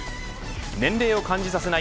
年齢を感じさせない